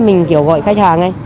mình kiểu gọi khách hàng